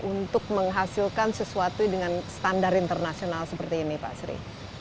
untuk menghasilkan sesuatu dengan standar internasional seperti ini pak sri